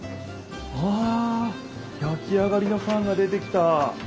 あやきあがりのパンが出てきた。